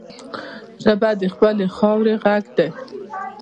ژبه د خپلې خاورې غږ دی